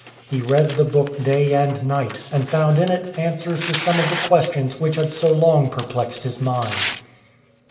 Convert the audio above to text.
He read the book day and night, and found in it answers to some of the questions which had so long perplexed his mind.